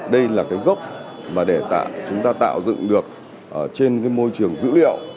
điện tử là một gốc để tạo dựng được trên môi trường dữ liệu